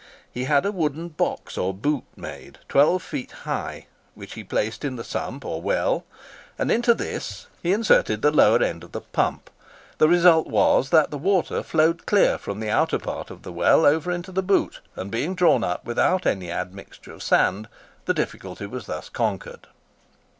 He had a wooden box or boot made, twelve feet high, which he placed in the sump or well, and into this he inserted the lower end of the pump. The result was, that the water flowed clear from the outer part of the well over into the boot, and being drawn up without any admixture of sand, the difficulty was thus conquered.